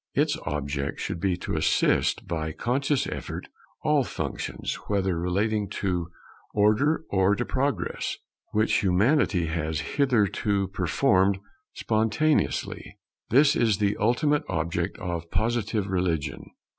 Its object should be to assist by conscious effort all functions, whether relating to Order or to Progress, which Humanity has hitherto performed spontaneously. This is the ultimate object of Positive religion.